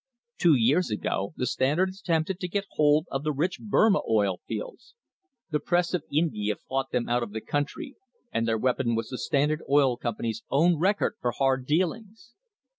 Two years ago the Standard attempted to get hold of the rich Burma oil fields. The press of India fought them out of the country, and their weapon was the THE HISTORY OF THE STANDARD OIL COMPANY Standard Oil Company's own record for hard dealings!